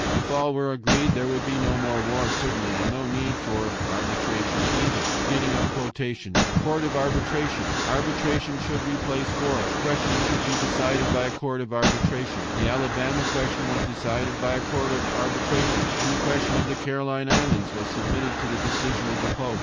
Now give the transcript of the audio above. If all were agreed there would be no more war certainly, and no need for arbitration either. "A court of arbitration! Arbitration shall replace war. Questions shall be decided by a court of arbitration. The Alabama question was decided by a court of arbitration, and the question of the Caroline Islands was submitted to the decision of the Pope.